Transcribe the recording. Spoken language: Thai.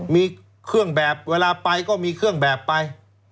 มีเครื่องแบบเวลาไปก็มีเครื่องแบบไป